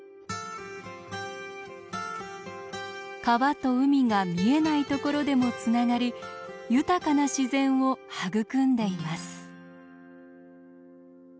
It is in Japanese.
川と海が見えないところでもつながり豊かな自然を育んでいます。